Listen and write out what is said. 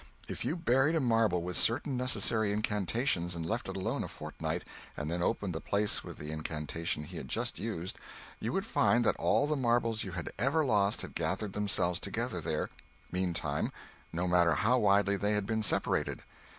If you buried a marble with certain necessary incantations, and left it alone a fortnight, and then opened the place with the incantation he had just used, you would find that all the marbles you had ever lost had gathered themselves together there, meantime, no matter how widely they had been separated.